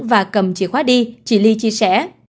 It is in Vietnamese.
và cầm chìa khóa đi chị ly chia sẻ